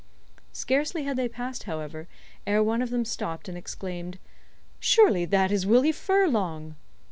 Scarcely had they passed, however, ere one of them stopped and exclaimed: "Surely that is Willie Furlong!"